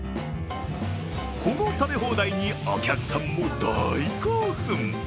この食べ放題にお客さんも大興奮。